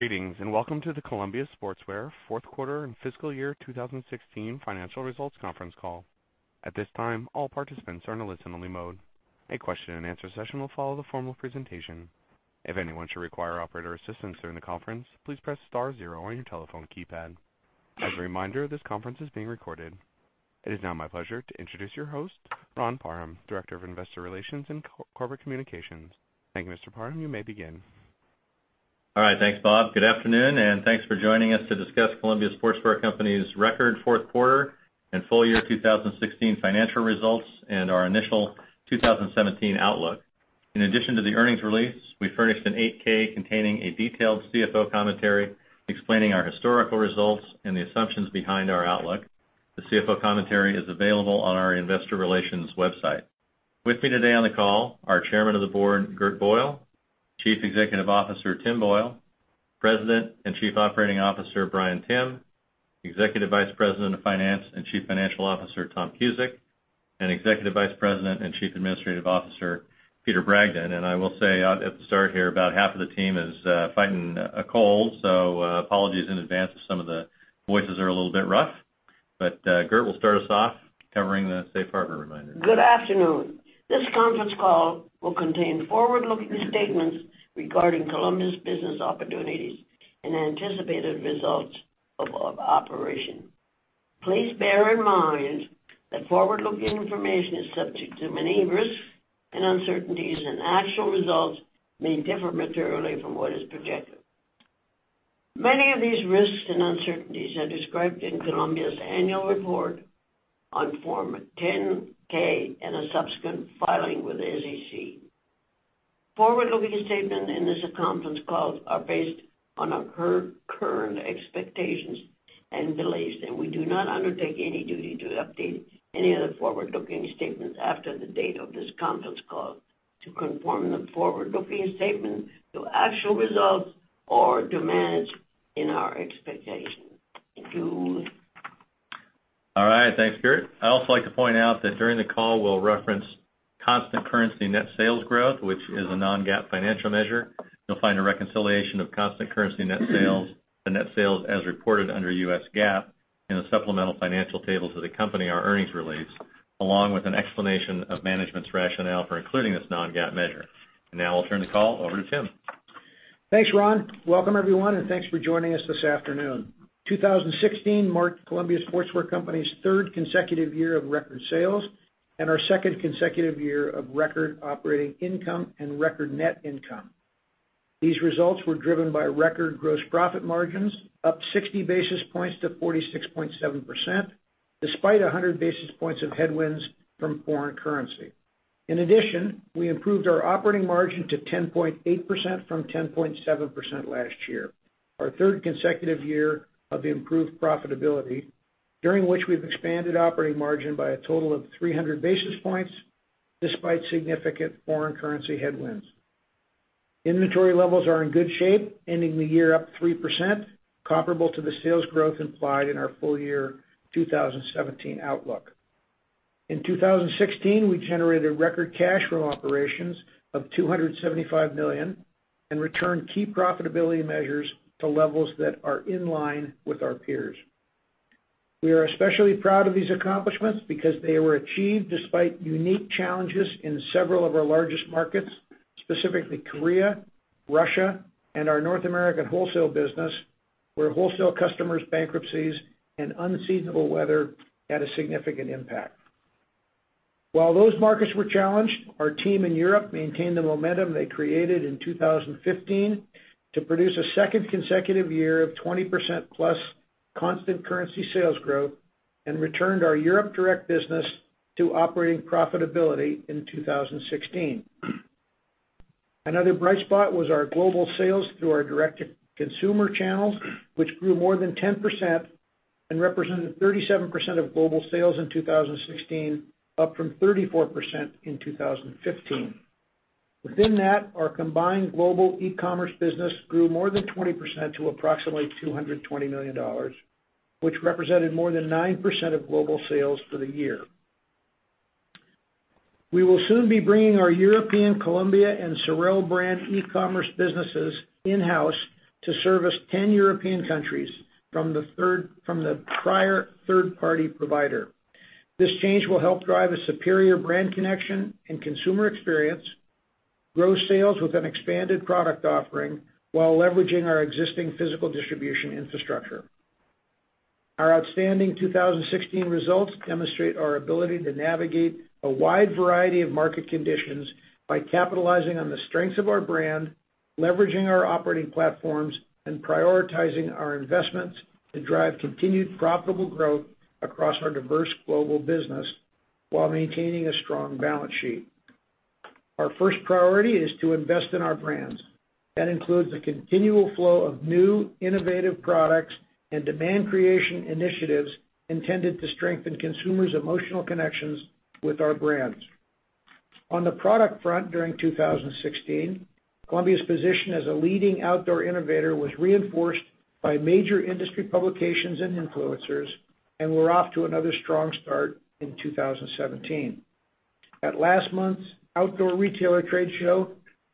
Greetings, welcome to the Columbia Sportswear fourth quarter and fiscal year 2016 financial results conference call. At this time, all participants are in a listen-only mode. A question-and-answer session will follow the formal presentation. If anyone should require operator assistance during the conference, please press star zero on your telephone keypad. As a reminder, this conference is being recorded. It is now my pleasure to introduce your host, Ron Parham, Director of Investor Relations and Corporate Communications. Thank you, Mr. Parham. You may begin. All right. Thanks, Bob. Good afternoon, thanks for joining us to discuss Columbia Sportswear Company's record fourth quarter and full year 2016 financial results and our initial 2017 outlook. In addition to the earnings release, we furnished an 8-K containing a detailed CFO commentary explaining our historical results and the assumptions behind our outlook. The CFO commentary is available on our investor relations website. With me today on the call are Chairman of the Board, Gert Boyle, Chief Executive Officer, Tim Boyle, President and Chief Operating Officer, Bryan Timm, Executive Vice President of Finance and Chief Financial Officer, Tom Cusick, and Executive Vice President and Chief Administrative Officer, Peter Bragdon. I will say at the start here, about half of the team is fighting a cold, so apologies in advance if some of the voices are a little bit rough. Gert will start us off covering the safe harbor reminder. Good afternoon. This conference call will contain forward-looking statements regarding Columbia's business opportunities and anticipated results of operation. Please bear in mind that forward-looking information is subject to many risks and uncertainties, and actual results may differ materially from what is projected. Many of these risks and uncertainties are described in Columbia's annual report on Form 10-K and a subsequent filing with the SEC. Forward-looking statements in this conference call are based on our current expectations and beliefs, and we do not undertake any duty to update any of the forward-looking statements after the date of this conference call to conform the forward-looking statements to actual results or to manage in our expectations. Thank you. All right. Thanks, Gert. I'd also like to point out that during the call, we'll reference constant currency net sales growth, which is a non-GAAP financial measure. You'll find a reconciliation of constant currency net sales to net sales as reported under U.S. GAAP in the supplemental financial tables that accompany our earnings release, along with an explanation of management's rationale for including this non-GAAP measure. Now I'll turn the call over to Tim. Thanks, Ron. Welcome everyone, thanks for joining us this afternoon. 2016 marked Columbia Sportswear Company's third consecutive year of record sales and our second consecutive year of record operating income and record net income. These results were driven by record gross profit margins up 60 basis points to 46.7%, despite 100 basis points of headwinds from foreign currency. In addition, we improved our operating margin to 10.8% from 10.7% last year, our third consecutive year of improved profitability, during which we've expanded operating margin by a total of 300 basis points, despite significant foreign currency headwinds. Inventory levels are in good shape, ending the year up 3%, comparable to the sales growth implied in our full year 2017 outlook. In 2016, we generated record cash from operations of $275 million and returned key profitability measures to levels that are in line with our peers. We are especially proud of these accomplishments because they were achieved despite unique challenges in several of our largest markets, specifically Korea, Russia, and our North American wholesale business, where wholesale customers' bankruptcies and unseasonable weather had a significant impact. While those markets were challenged, our team in Europe maintained the momentum they created in 2015 to produce a second consecutive year of 20% plus constant currency sales growth and returned our Europe direct business to operating profitability in 2016. Another bright spot was our global sales through our direct-to-consumer channels, which grew more than 10% and represented 37% of global sales in 2016, up from 34% in 2015. Within that, our combined global e-commerce business grew more than 20% to approximately $220 million, which represented more than 9% of global sales for the year. We will soon be bringing our European Columbia and SOREL brand e-commerce businesses in-house to service 10 European countries from the prior third-party provider. This change will help drive a superior brand connection and consumer experience, grow sales with an expanded product offering while leveraging our existing physical distribution infrastructure. Our outstanding 2016 results demonstrate our ability to navigate a wide variety of market conditions by capitalizing on the strengths of our brand, leveraging our operating platforms, prioritizing our investments to drive continued profitable growth across our diverse global business while maintaining a strong balance sheet. Our first priority is to invest in our brands. That includes a continual flow of new, innovative products and demand creation initiatives intended to strengthen consumers' emotional connections with our brands. On the product front during 2016, Columbia's position as a leading outdoor innovator was reinforced by major industry publications and influencers. We're off to another strong start in 2017. At last month's Outdoor Retailer trade show,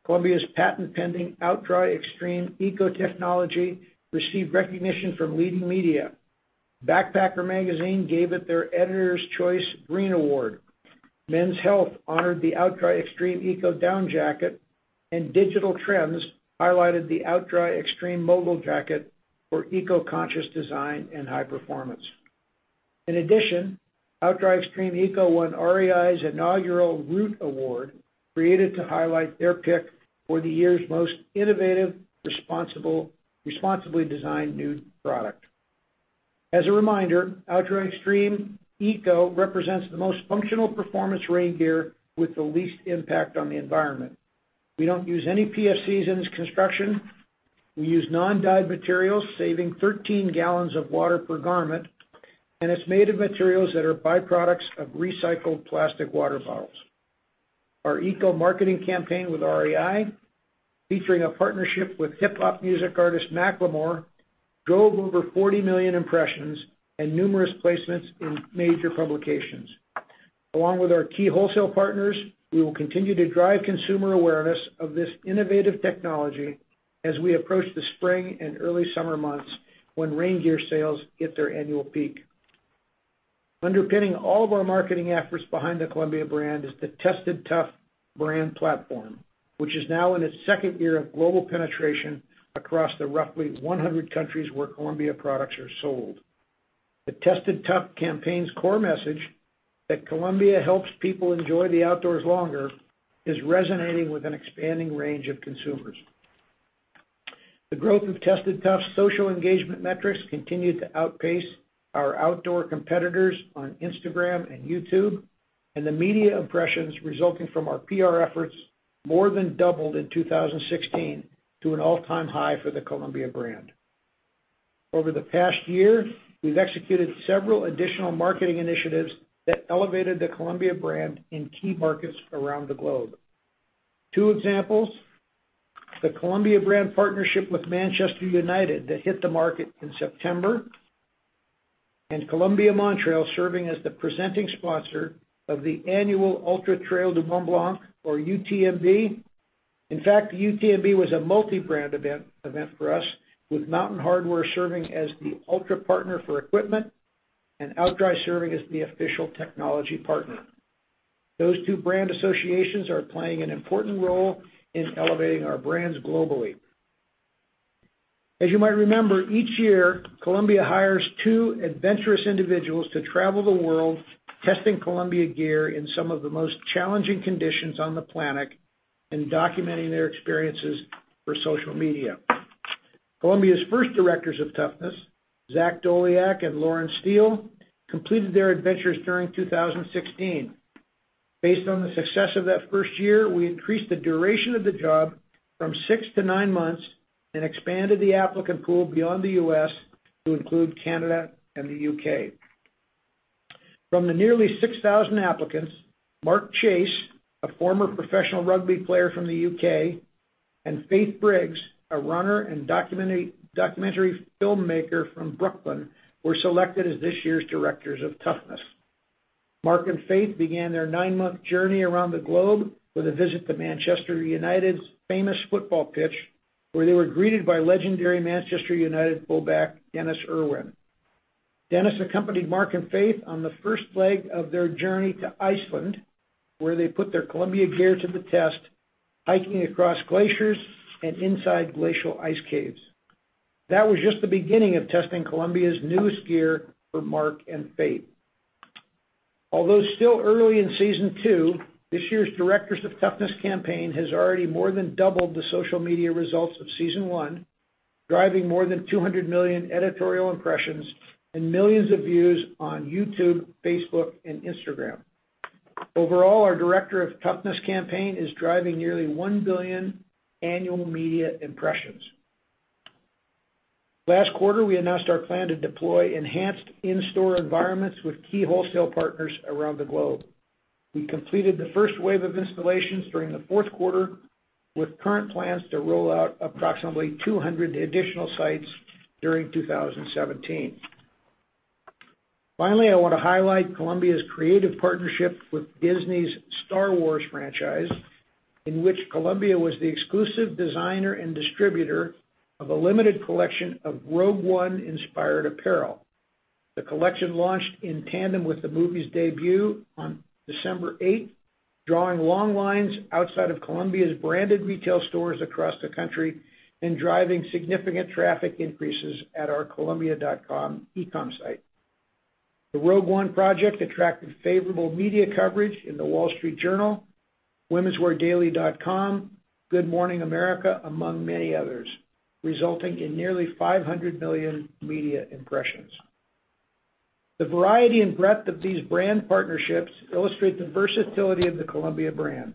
Columbia's patent-pending OutDry Extreme ECO technology received recognition from leading media. Backpacker magazine gave it their Editor's Choice Green Award. Men's Health honored the OutDry Extreme ECO down jacket, and Digital Trends highlighted the OutDry Extreme Mogul jacket for eco-conscious design and high performance. In addition, OutDry Extreme ECO won REI's inaugural Root Award, created to highlight their pick for the year's most innovative, responsibly designed new product. As a reminder, OutDry Extreme ECO represents the most functional performance rain gear with the least impact on the environment. We don't use any PFCs in its construction. We use non-dyed materials, saving 13 gallons of water per garment. It's made of materials that are by-products of recycled plastic water bottles. Our eco-marketing campaign with REI, featuring a partnership with hip hop music artist Macklemore, drove over 40 million impressions and numerous placements in major publications. Along with our key wholesale partners, we will continue to drive consumer awareness of this innovative technology as we approach the spring and early summer months when rain gear sales hit their annual peak. Underpinning all of our marketing efforts behind the Columbia brand is the Tested Tough brand platform, which is now in its second year of global penetration across the roughly 100 countries where Columbia products are sold. The Tested Tough campaign's core message, that Columbia helps people enjoy the outdoors longer, is resonating with an expanding range of consumers. The growth of Tested Tough's social engagement metrics continued to outpace our outdoor competitors on Instagram and YouTube. The media impressions resulting from our PR efforts more than doubled in 2016 to an all-time high for the Columbia brand. Over the past year, we've executed several additional marketing initiatives that elevated the Columbia brand in key markets around the globe. Two examples, the Columbia brand partnership with Manchester United that hit the market in September, and Columbia Montrail serving as the presenting sponsor of the annual Ultra-Trail du Mont-Blanc, or UTMB. In fact, the UTMB was a multi-brand event for us, with Mountain Hardwear serving as the ultra partner for equipment and OutDry serving as the official technology partner. Those two brand associations are playing an important role in elevating our brands globally. As you might remember, each year, Columbia hires two adventurous individuals to travel the world, testing Columbia gear in some of the most challenging conditions on the planet and documenting their experiences for social media. Columbia's first Directors of Toughness, Zach Doleac and Lauren Steele, completed their adventures during 2016. Based on the success of that first year, we increased the duration of the job from six to nine months and expanded the applicant pool beyond the U.S. to include Canada and the U.K. From the nearly 6,000 applicants, Mark Chase, a former professional rugby player from the U.K., and Faith Briggs, a runner and documentary filmmaker from Brooklyn, were selected as this year's Directors of Toughness. Mark and Faith began their nine-month journey around the globe with a visit to Manchester United's famous football pitch, where they were greeted by legendary Manchester United fullback Denis Irwin. Denis accompanied Mark and Faith on the first leg of their journey to Iceland, where they put their Columbia gear to the test hiking across glaciers and inside glacial ice caves. That was just the beginning of testing Columbia's newest gear for Mark and Faith. Although still early in season 2, this year's Directors of Toughness campaign has already more than doubled the social media results of season 1, driving more than $200 million editorial impressions and millions of views on YouTube, Facebook, and Instagram. Overall, our Director of Toughness campaign is driving nearly $1 billion annual media impressions. Last quarter, we announced our plan to deploy enhanced in-store environments with key wholesale partners around the globe. We completed the first wave of installations during the fourth quarter, with current plans to roll out approximately 200 additional sites during 2017. I want to highlight Columbia's creative partnership with Disney's "Star Wars" franchise, in which Columbia was the exclusive designer and distributor of a limited collection of "Rogue One" inspired apparel. The collection launched in tandem with the movie's debut on December 8th, drawing long lines outside of Columbia's branded retail stores across the country and driving significant traffic increases at our columbia.com e-com site. The "Rogue One" project attracted favorable media coverage in "The Wall Street Journal," womensweardaily.com, "Good Morning America," among many others, resulting in nearly $500 million media impressions. The variety and breadth of these brand partnerships illustrate the versatility of the Columbia brand.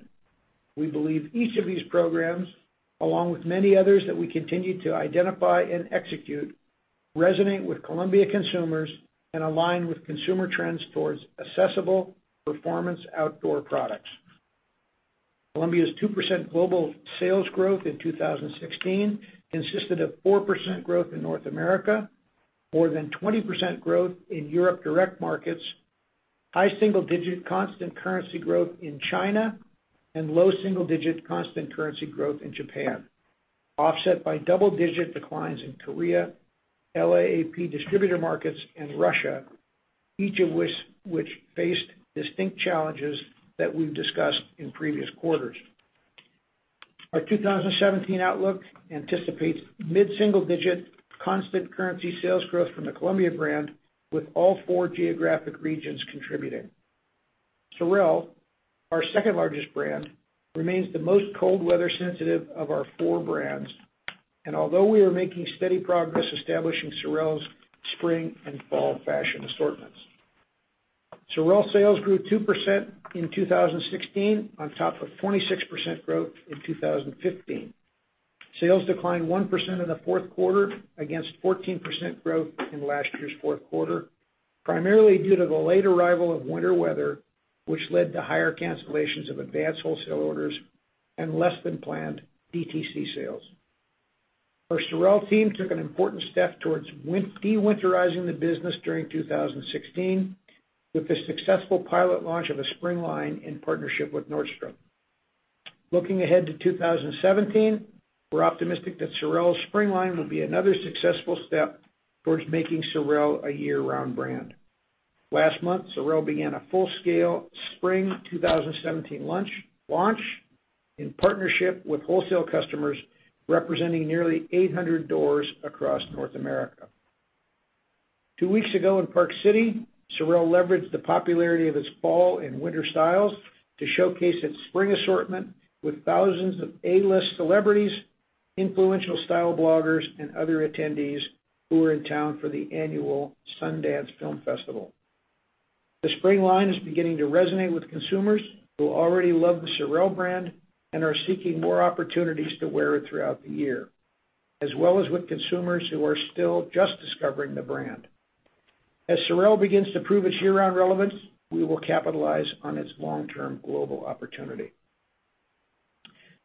We believe each of these programs, along with many others that we continue to identify and execute, resonate with Columbia consumers and align with consumer trends towards accessible performance outdoor products. Columbia's 2% global sales growth in 2016 consisted of 4% growth in North America, more than 20% growth in Europe direct markets, high single-digit constant currency growth in China, and low single-digit constant currency growth in Japan, offset by double-digit declines in Korea, LAAP distributor markets, and Russia, each of which faced distinct challenges that we've discussed in previous quarters. Our 2017 outlook anticipates mid-single digit constant currency sales growth from the Columbia brand, with all four geographic regions contributing. SOREL, our second largest brand, remains the most cold weather sensitive of our four brands, and although we are making steady progress establishing SOREL's spring and fall fashion assortments. SOREL sales grew 2% in 2016 on top of 26% growth in 2015. Sales declined 1% in the fourth quarter against 14% growth in last year's fourth quarter, primarily due to the late arrival of winter weather, which led to higher cancellations of advanced wholesale orders and less than planned DTC sales. Our SOREL team took an important step towards de-winterizing the business during 2016 with the successful pilot launch of a spring line in partnership with Nordstrom. Looking ahead to 2017, we're optimistic that SOREL's spring line will be another successful step towards making SOREL a year-round brand. Last month, SOREL began a full-scale spring 2017 launch in partnership with wholesale customers representing nearly 800 doors across North America. Two weeks ago in Park City, SOREL leveraged the popularity of its fall and winter styles to showcase its spring assortment with thousands of A-list celebrities, influential style bloggers, and other attendees who were in town for the annual Sundance Film Festival. The spring line is beginning to resonate with consumers who already love the SOREL brand and are seeking more opportunities to wear it throughout the year, as well as with consumers who are still just discovering the brand. As SOREL begins to prove its year-round relevance, we will capitalize on its long-term global opportunity.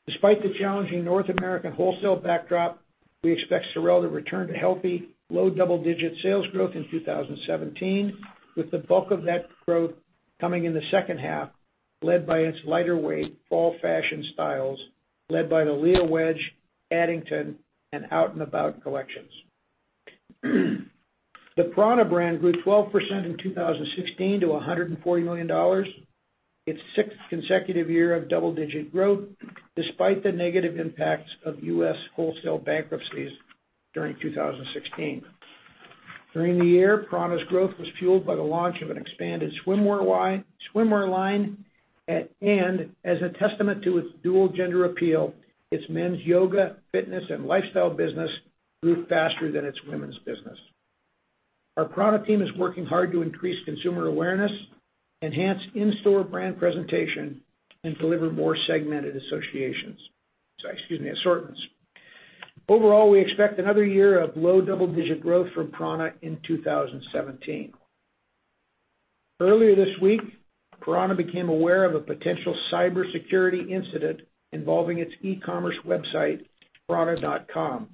Despite the challenging North American wholesale backdrop, we expect SOREL to return to healthy, low double-digit sales growth in 2017, with the bulk of that growth coming in the second half, led by its lighter-weight fall fashion styles led by the Lea Wedge, Addington, and Out N About collections. The prAna brand grew 12% in 2016 to $140 million, its sixth consecutive year of double-digit growth, despite the negative impacts of U.S. wholesale bankruptcies during 2016. During the year, prAna's growth was fueled by the launch of an expanded swimwear line, and as a testament to its dual gender appeal, its men's yoga, fitness, and lifestyle business grew faster than its women's business. Our prAna team is working hard to increase consumer awareness, enhance in-store brand presentation, and deliver more segmented assortments. Overall, we expect another year of low double-digit growth from prAna in 2017. Earlier this week, prAna became aware of a potential cybersecurity incident involving its e-commerce website, prana.com.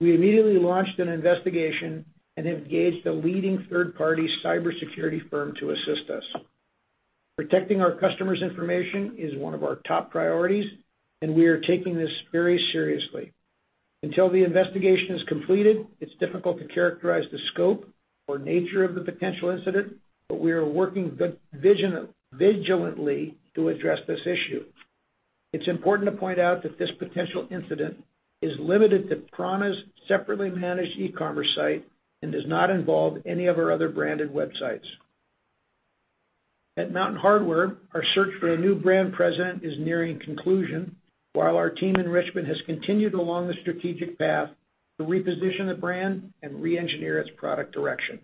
We immediately launched an investigation and have engaged a leading third-party cybersecurity firm to assist us. Protecting our customers' information is one of our top priorities, and we are taking this very seriously. Until the investigation is completed, it's difficult to characterize the scope or nature of the potential incident, but we are working vigilantly to address this issue. It's important to point out that this potential incident is limited to prAna's separately managed e-commerce site and does not involve any of our other branded websites. At Mountain Hardwear, our search for a new brand president is nearing conclusion, while our team in Richmond has continued along the strategic path to reposition the brand and re-engineer its product direction.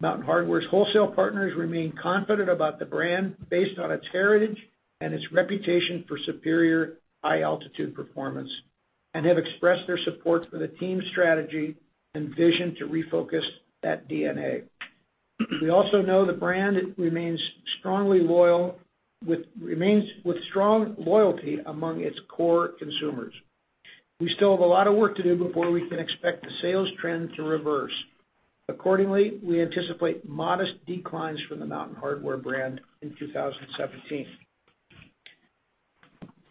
Mountain Hardwear's wholesale partners remain confident about the brand based on its heritage and its reputation for superior high-altitude performance, and have expressed their support for the team's strategy and vision to refocus that DNA. We also know the brand remains with strong loyalty among its core consumers. We still have a lot of work to do before we can expect the sales trend to reverse. Accordingly, we anticipate modest declines from the Mountain Hardwear brand in 2017.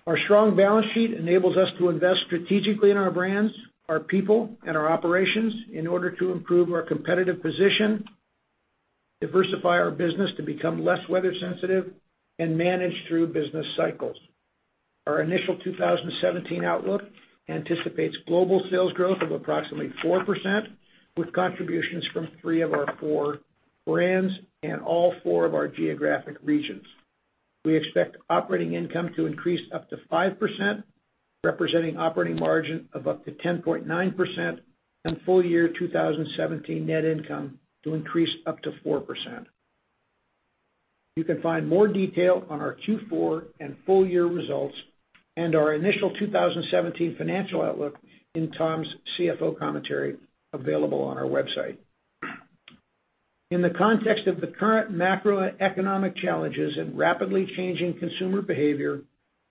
Our strong balance sheet enables us to invest strategically in our brands, our people, and our operations in order to improve our competitive position, diversify our business to become less weather sensitive, and manage through business cycles. Our initial 2017 outlook anticipates global sales growth of approximately 4%, with contributions from three of our four brands and all four of our geographic regions. We expect operating income to increase up to 5%, representing operating margin of up to 10.9%, and full year 2017 net income to increase up to 4%. You can find more detail on our Q4 and full year results and our initial 2017 financial outlook in Tom's CFO commentary available on our website. In the context of the current macroeconomic challenges and rapidly changing consumer behavior,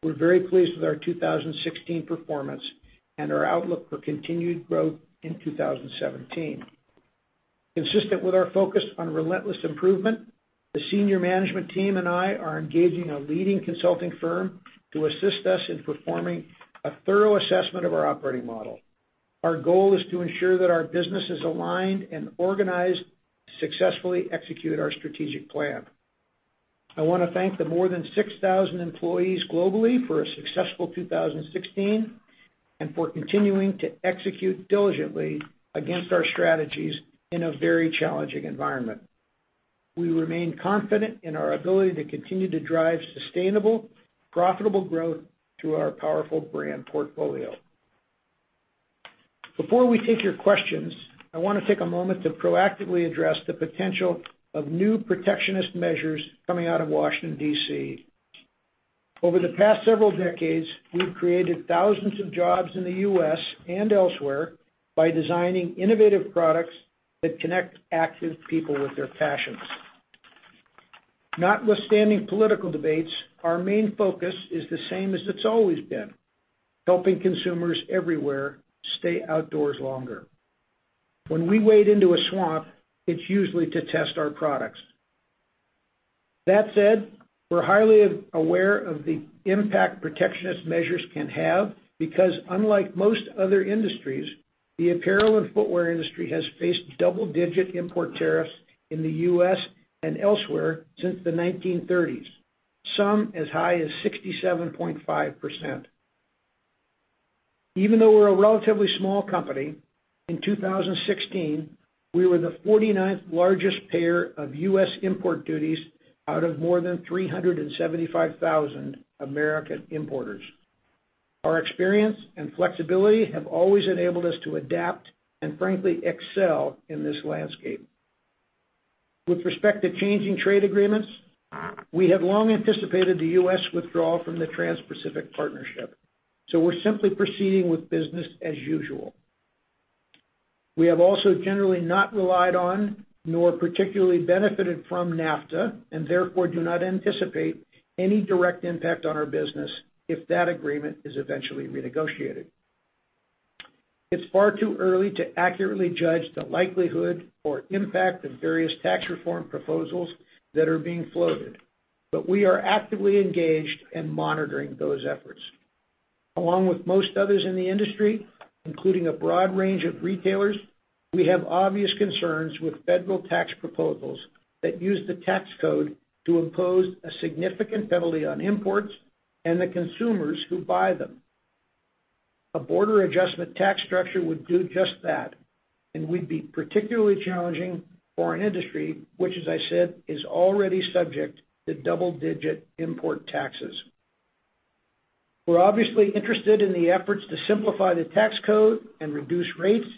we're very pleased with our 2016 performance and our outlook for continued growth in 2017. Consistent with our focus on relentless improvement, the senior management team and I are engaging a leading consulting firm to assist us in performing a thorough assessment of our operating model. Our goal is to ensure that our business is aligned and organized to successfully execute our strategic plan. I want to thank the more than 6,000 employees globally for a successful 2016 and for continuing to execute diligently against our strategies in a very challenging environment. We remain confident in our ability to continue to drive sustainable, profitable growth through our powerful brand portfolio. Before we take your questions, I want to take a moment to proactively address the potential of new protectionist measures coming out of Washington, D.C. Over the past several decades, we've created thousands of jobs in the U.S. and elsewhere by designing innovative products that connect active people with their passions. Notwithstanding political debates, our main focus is the same as it's always been, helping consumers everywhere stay outdoors longer. When we wade into a swamp, it's usually to test our products. That said, we're highly aware of the impact protectionist measures can have because unlike most other industries, the apparel and footwear industry has faced double-digit import tariffs in the U.S. and elsewhere since the 1930s, some as high as 67.5%. Even though we're a relatively small company, in 2016, we were the 49th largest payer of U.S. import duties out of more than 375,000 American importers. Our experience and flexibility have always enabled us to adapt and frankly excel in this landscape. With respect to changing trade agreements, we have long anticipated the U.S. withdrawal from the Trans-Pacific Partnership, so we're simply proceeding with business as usual. We have also generally not relied on nor particularly benefited from NAFTA and therefore do not anticipate any direct impact on our business if that agreement is eventually renegotiated. It's far too early to accurately judge the likelihood or impact of various tax reform proposals that are being floated, but we are actively engaged in monitoring those efforts. Along with most others in the industry, including a broad range of retailers, we have obvious concerns with federal tax proposals that use the tax code to impose a significant penalty on imports and the consumers who buy them. A border adjustment tax structure would do just that and would be particularly challenging for an industry, which as I said, is already subject to double-digit import taxes. We're obviously interested in the efforts to simplify the tax code and reduce rates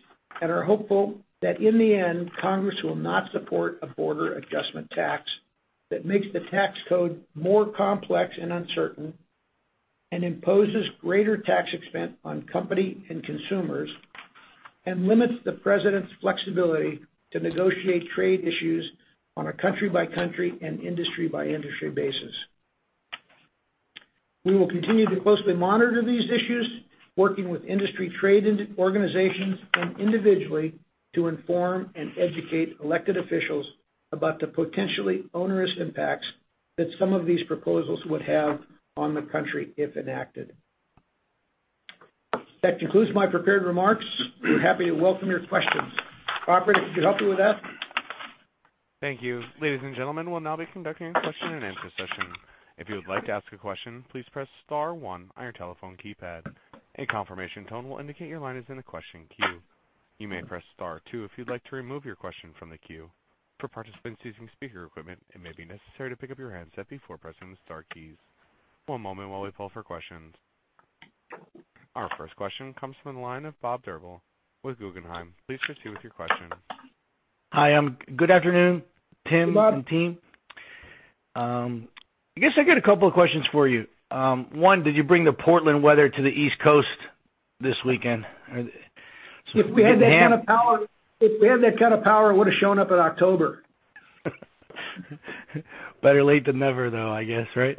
and are hopeful that in the end, Congress will not support a border adjustment tax that makes the tax code more complex and uncertain and imposes greater tax expense on company and consumers and limits the president's flexibility to negotiate trade issues on a country-by-country and industry-by-industry basis. We will continue to closely monitor these issues, working with industry trade organizations and individually to inform and educate elected officials about the potentially onerous impacts that some of these proposals would have on the country if enacted. That concludes my prepared remarks. Happy to welcome your questions. Operator, if you could help me with that. Thank you. Ladies and gentlemen, we'll now be conducting a question and answer session. If you would like to ask a question, please press *1 on your telephone keypad. A confirmation tone will indicate your line is in the question queue. You may press *2 if you'd like to remove your question from the queue. For participants using speaker equipment, it may be necessary to pick up your handset before pressing the star keys. One moment while we pull for questions. Our first question comes from the line of Bob Drbul with Guggenheim. Please proceed with your question. Hi. Good afternoon, Tim. Hey, Bob. Team. I guess I got a couple of questions for you. One, did you bring the Portland weather to the East Coast this weekend? If we had that kind of power, it would've shown up in October. Better late than never, though, I guess, right?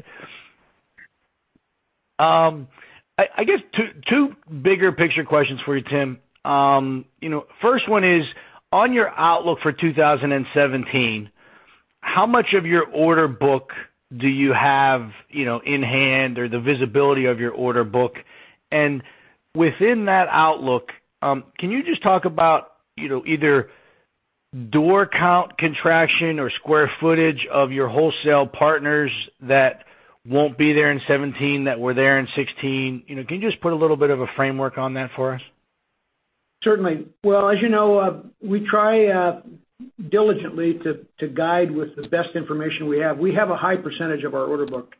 I guess two bigger picture questions for you, Tim. First one is on your outlook for 2017, how much of your order book do you have in hand, or the visibility of your order book? Within that outlook, can you just talk about either door count contraction or square footage of your wholesale partners that won't be there in '17 that were there in '16? Can you just put a little bit of a framework on that for us? Certainly. Well, as you know, we try diligently to guide with the best information we have. We have a high percentage of our order book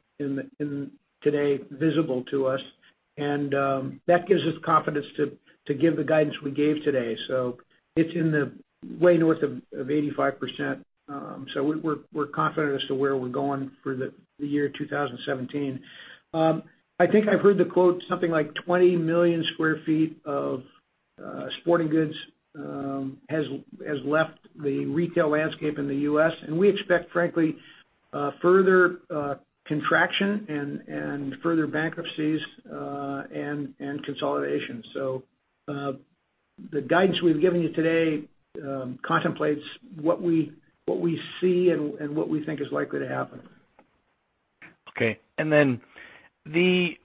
today visible to us, and that gives us confidence to give the guidance we gave today. It's in the way north of 85%. We're confident as to where we're going for the year 2017. I think I've heard the quote, something like 20 million square feet of sporting goods has left the retail landscape in the U.S., and we expect, frankly, further contraction and further bankruptcies, and consolidation. The guidance we've given you today contemplates what we see and what we think is likely to happen. Okay. Then the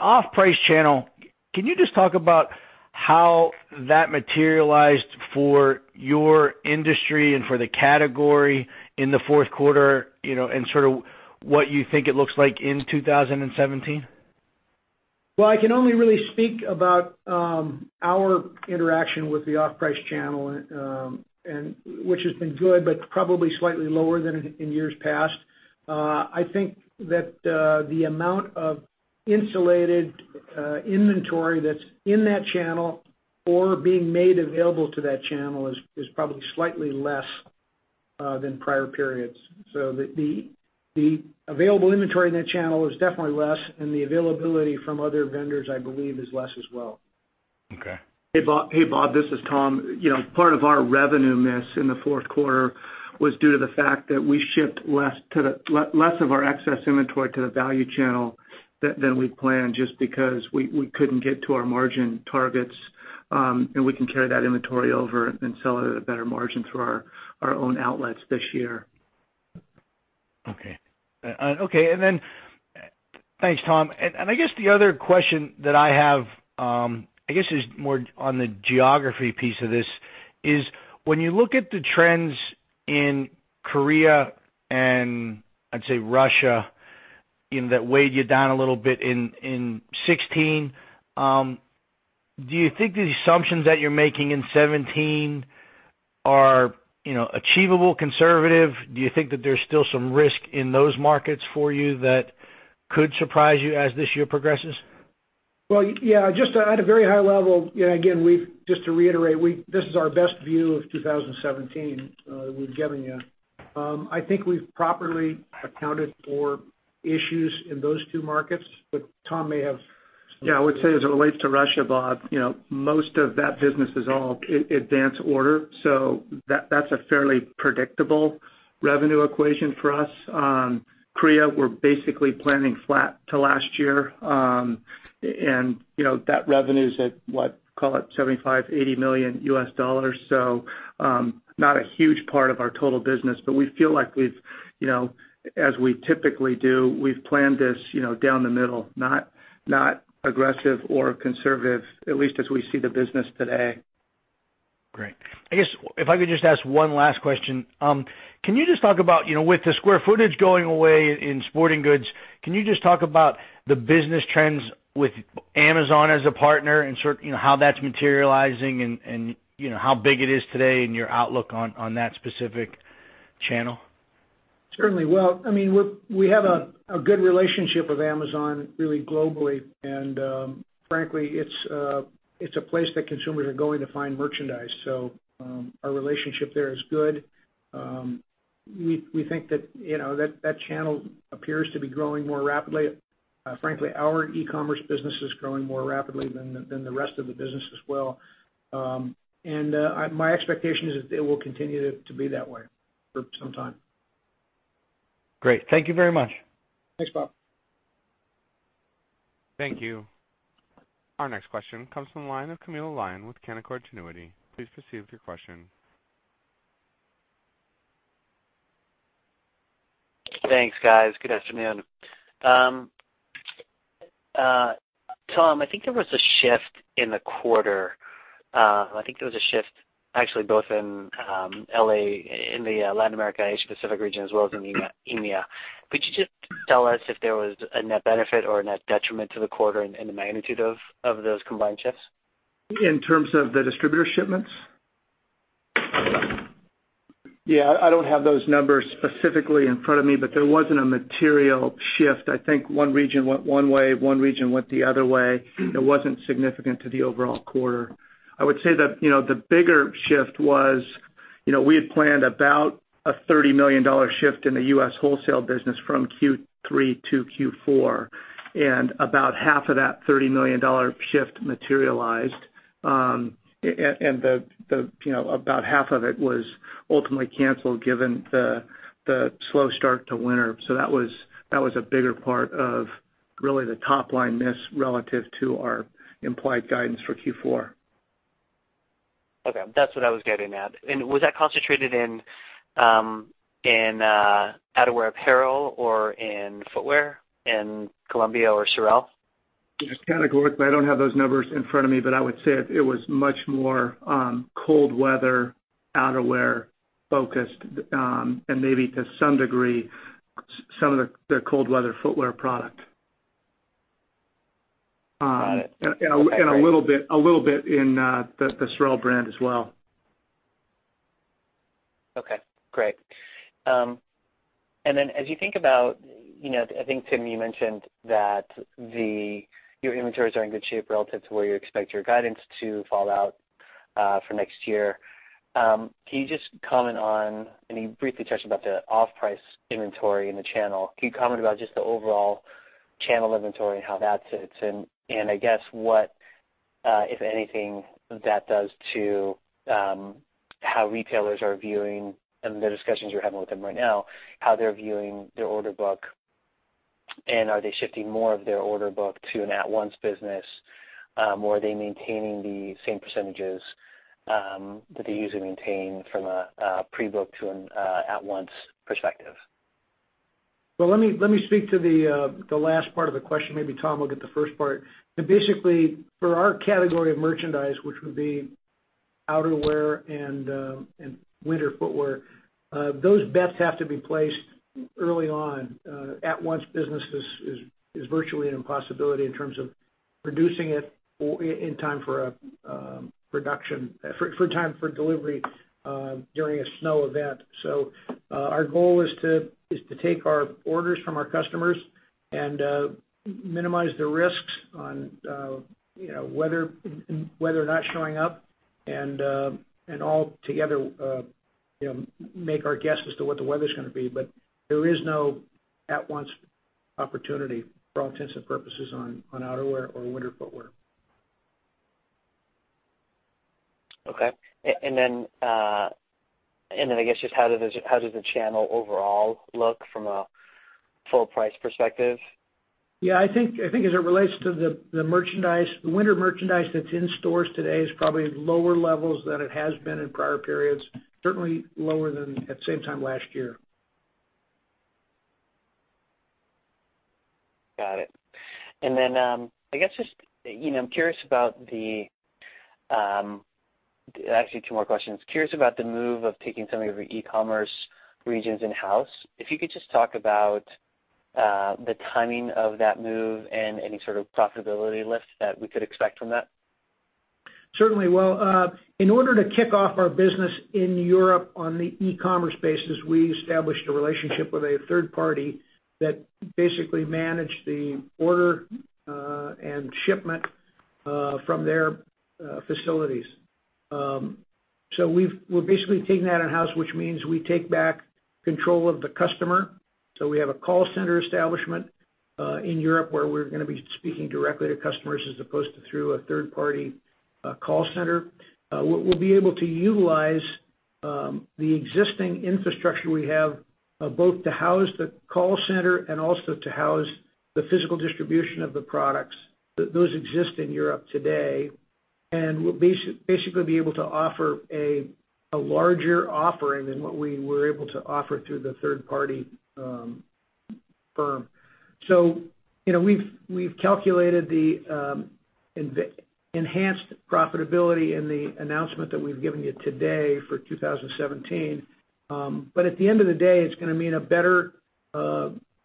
off-price channel, can you just talk about how that materialized for your industry and for the category in the fourth quarter, and sort of what you think it looks like in 2017? Well, I can only really speak about our interaction with the off-price channel, which has been good, but probably slightly lower than in years past. I think that the amount of insulated inventory that is in that channel or being made available to that channel is probably slightly less than prior periods. The available inventory in that channel is definitely less, and the availability from other vendors, I believe, is less as well. Okay. Hey, Bob. This is Tom. Part of our revenue miss in the fourth quarter was due to the fact that we shipped less of our excess inventory to the value channel than we had planned, just because we couldn't get to our margin targets, and we can carry that inventory over and sell it at a better margin through our own outlets this year. Thanks, Tom. I guess the other question that I have, I guess, is more on the geography piece of this, is when you look at the trends in Korea and I would say Russia, that weighed you down a little bit in 2016, do you think the assumptions that you are making in 2017 are achievable, conservative? Do you think that there is still some risk in those markets for you that could surprise you as this year progresses? Well, yeah, just at a very high level, again, just to reiterate, this is our best view of 2017 we are giving you. I think we have properly accounted for issues in those two markets, Tom may have some- Yeah. I would say as it relates to Russia, Bob, most of that business is all advance order, so that's a fairly predictable revenue equation for us. Korea, we're basically planning flat to last year. That revenue's at, what? Call it $75 million-$80 million. Not a huge part of our total business. We feel like as we typically do, we've planned this down the middle, not aggressive or conservative, at least as we see the business today. Great. I guess if I could just ask one last question. With the square footage going away in sporting goods, can you just talk about the business trends with Amazon as a partner and how that's materializing and how big it is today and your outlook on that specific channel? Certainly. Well, we have a good relationship with Amazon, really globally, and, frankly, it's a place that consumers are going to find merchandise. Our relationship there is good. We think that channel appears to be growing more rapidly. Frankly, our e-commerce business is growing more rapidly than the rest of the business as well. My expectation is that it will continue to be that way for some time. Great. Thank you very much. Thanks, Bob. Thank you. Our next question comes from the line of Camilo Lyon with Canaccord Genuity. Please proceed with your question. Thanks, guys. Good afternoon. Tom, I think there was a shift in the quarter. I think there was a shift actually both in the Latin America, Asia Pacific region as well as in EMEA. Could you just tell us if there was a net benefit or a net detriment to the quarter and the magnitude of those combined shifts? In terms of the distributor shipments? Yeah, I don't have those numbers specifically in front of me, but there wasn't a material shift. I think one region went one way, one region went the other way. It wasn't significant to the overall quarter. I would say that the bigger shift was we had planned about a $30 million shift in the U.S. wholesale business from Q3 to Q4, and about half of that $30 million shift materialized. About half of it was ultimately canceled given the slow start to winter. That was a bigger part of really the top-line miss relative to our implied guidance for Q4. Okay. That's what I was getting at. Was that concentrated in outerwear apparel or in footwear in Columbia or SOREL? I don't have those numbers in front of me, but I would say it was much more cold weather outerwear focused, and maybe to some degree, some of their cold weather footwear product. Got it. Okay, great. A little bit in the SOREL brand as well. Okay, great. As you think about, I think, Tim, you mentioned that your inventories are in good shape relative to where you expect your guidance to fall out for next year. Can you just comment on, and you briefly touched about the off-price inventory in the channel. Can you comment about just the overall channel inventory and how that sits in? I guess what, if anything, that does to how retailers are viewing and the discussions you're having with them right now, how they're viewing their order book, and are they shifting more of their order book to an at-once business? Are they maintaining the same percentages, that they usually maintain from a pre-book to an at-once perspective? Well, let me speak to the last part of the question. Maybe Tom will get the first part. Basically, for our category of merchandise, which would be outerwear and winter footwear, those bets have to be placed early on. At-once business is virtually an impossibility in terms of producing it in time for a production, for time for delivery, during a snow event. Our goal is to take our orders from our customers and minimize the risks on weather not showing up and all together make our guess as to what the weather's going to be. There is no at-once opportunity for all intents and purposes on outerwear or winter footwear. Okay. I guess just how does the channel overall look from a full price perspective? Yeah, I think as it relates to the merchandise, the winter merchandise that's in stores today is probably at lower levels than it has been in prior periods, certainly lower than at the same time last year. Got it. Actually two more questions. Curious about the move of taking some of your e-commerce regions in-house. If you could just talk about the timing of that move and any sort of profitability lift that we could expect from that. Certainly. In order to kick off our business in Europe on the e-commerce basis, we established a relationship with a third party that basically managed the order and shipment from their facilities. We're basically taking that in-house, which means we take back control of the customer. We have a call center establishment, in Europe, where we're going to be speaking directly to customers as opposed to through a third-party call center. We'll be able to utilize the existing infrastructure we have, both to house the call center and also to house the physical distribution of the products. Those exist in Europe today. We'll basically be able to offer a larger offering than what we were able to offer through the third party firm. We've calculated the enhanced profitability in the announcement that we've given you today for 2017. At the end of the day, it's going to mean a better,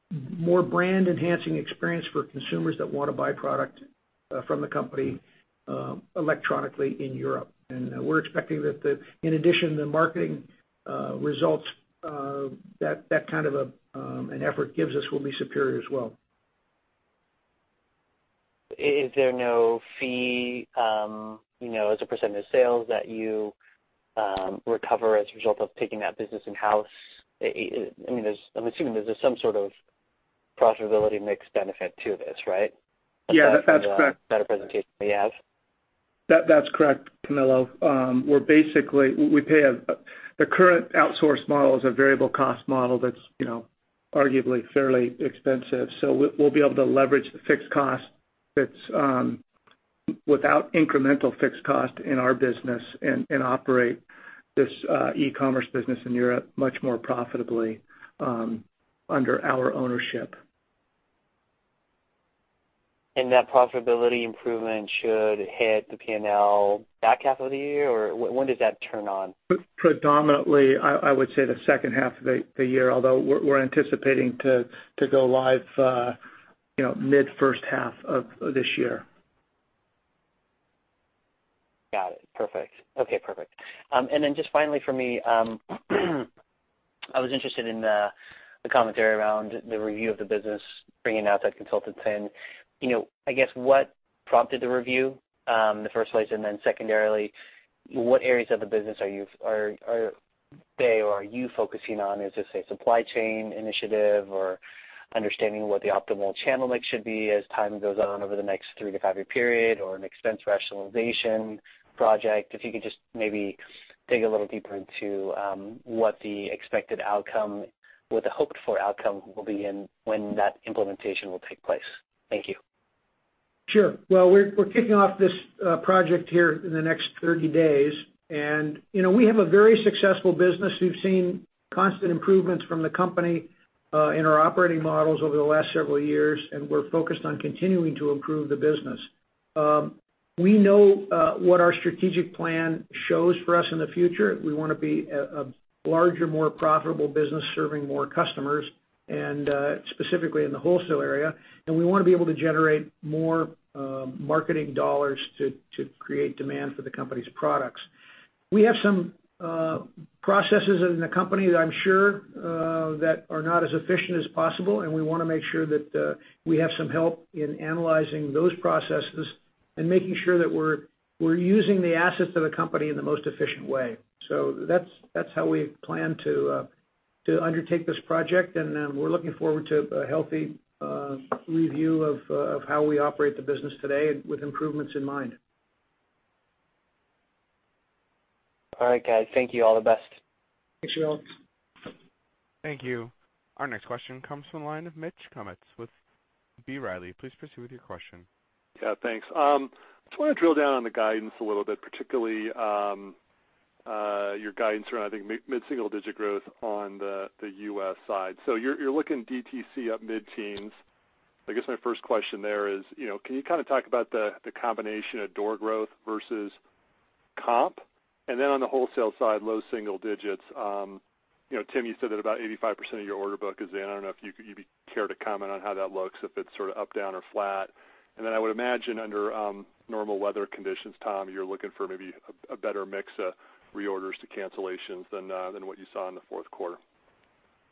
more brand-enhancing experience for consumers that want to buy product from the company electronically in Europe. We're expecting that in addition, the marketing results, that that kind of an effort gives us will be superior as well. Is there no fee, as a percentage of sales that you recover as a result of taking that business in-house? I'm assuming there's some sort of profitability mix benefit to this, right? Yeah, that's correct. Better presentation we have. That's correct, Camilo. The current outsource model is a variable cost model that's arguably fairly expensive. We'll be able to leverage the fixed cost that's without incremental fixed cost in our business and operate this e-commerce business in Europe much more profitably under our ownership. That profitability improvement should hit the P&L back half of the year, or when does that turn on? Predominantly, I would say the second half of the year, although we're anticipating to go live mid first half of this year. Got it. Perfect. Okay, perfect. Just finally for me, I was interested in the commentary around the review of the business, bringing outside consultants in. I guess what prompted the review in the first place, secondarily, what areas of the business are they or are you focusing on? Is this a supply chain initiative or understanding what the optimal channel mix should be as time goes on over the next 3 to 5-year period or an expense rationalization project? If you could just maybe dig a little deeper into what the expected outcome or the hoped-for outcome will be and when that implementation will take place. Thank you. Sure. Well, we're kicking off this project here in the next 30 days. We have a very successful business. We've seen constant improvements from the company in our operating models over the last several years, and we're focused on continuing to improve the business. We know what our strategic plan shows for us in the future. We want to be a larger, more profitable business serving more customers, and specifically in the wholesale area. We want to be able to generate more marketing dollars to create demand for the company's products. We have some Processes in the company that I'm sure that are not as efficient as possible, and we want to make sure that we have some help in analyzing those processes and making sure that we're using the assets of the company in the most efficient way. That's how we plan to undertake this project, and we're looking forward to a healthy review of how we operate the business today and with improvements in mind. All right, guys. Thank you. All the best. Thanks, Camilo. Thank you. Our next question comes from the line of Mitch Kummetz with B. Riley, please proceed with your question. Yeah, thanks. Just want to drill down on the guidance a little bit, particularly, your guidance around, I think, mid-single digit growth on the U.S. side. You're looking DTC up mid-teens. I guess my first question there is, can you talk about the combination of door growth versus comp? On the wholesale side, low single digits. Tim, you said that about 85% of your order book is in. I don't know if you'd care to comment on how that looks, if it's sort of up, down, or flat. I would imagine under normal weather conditions, Tom, you're looking for maybe a better mix of reorders to cancellations than what you saw in the fourth quarter.